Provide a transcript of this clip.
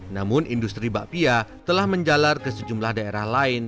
namun industri bakpia telah menjalar ke sejumlah daerah lain